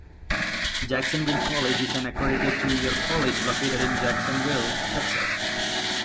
Jacksonville College is an accredited two-year college located in Jacksonville, Texas.